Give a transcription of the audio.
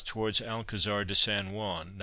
towards Alcazar de San Juan (92m.